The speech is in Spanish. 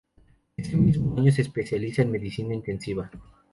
Ese mismo año se especializa en Medicina Intensiva.